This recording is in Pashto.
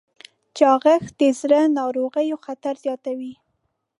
چاغښت د زړه ناروغیو خطر زیاتوي.